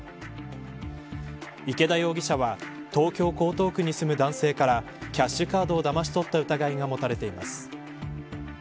池田容疑者は東京・江東区に住む男性からキャッシュカードをだまし取った疑いが持たれています。